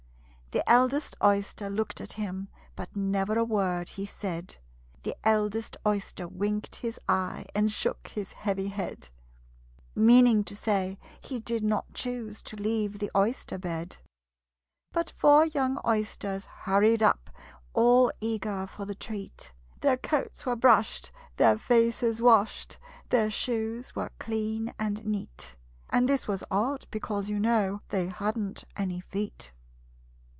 The eldest Oyster looked at him, But never a word he said: The eldest Oyster winked his eye, And shook his heavy head Meaning to say he did not choose To leave the oyster bed. But four young Oysters hurried up, All eager for the treat: Their coats were brushed, their faces washed, Their shoes were clean and neat And this was odd, because, you know, They hadn't any feet.